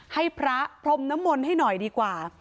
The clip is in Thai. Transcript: ให้พระพรมน้ำมนต์ให้หน่อยดีกว่า